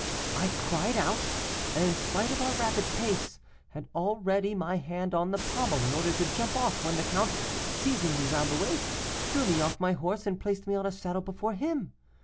I cried out, and in spite of our rapid pace had already my hand on the pommel in order to jump off, when the count, seizing me round the waist, drew me off my horse, and placed me on the saddle before him.